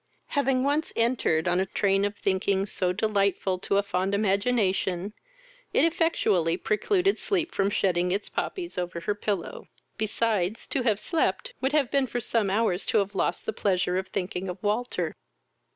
Having once entered on a train of thinking, so delightful to a fond imagination, it effectually precluded sleep from shedding its poppies over her pillow; besides, to have slept would have been for some hours to have lost the pleasure of thinking of Walter.